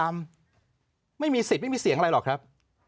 ไม่มีสิทธิ์ไม่มีเสียงอะไรหรอกครับ